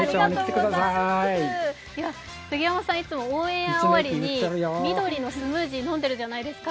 杉山さん、いつもオンエア終わりに緑のスムージー飲んでるじゃないですか。